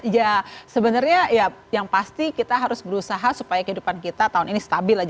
ya sebenarnya ya yang pasti kita harus berusaha supaya kehidupan kita tahun ini stabil aja